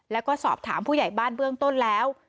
แล้วก็สอบถามผู้ใหญ่บ้านเบื้องต้นแล้ว